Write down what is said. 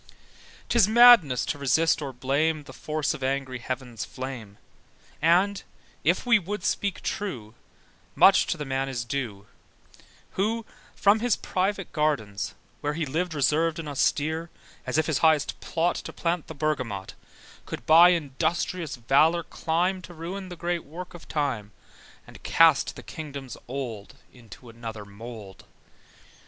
'Tis madness to resist or blame The force of angry heaven's flame: And, if we would speak true, Much to the man is due, Who from his private gardens, where He lived reservèd and austere, As if his highest plot To plant the bergamot, Could by industrious valour climb To ruin the great work of time, And cast the kingdoms old Into another mould.